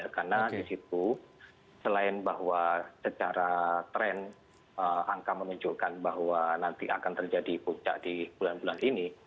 karena di situ selain bahwa secara tren angka menunjukkan bahwa nanti akan terjadi puncak di bulan bulan ini